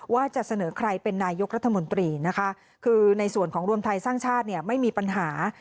ว่าจะเสนอใครเป็นนายกรัฐมนตรีนะคะคือในส่วนของรวมไทยสร้างชาติเนี่ยไม่มีปัญหา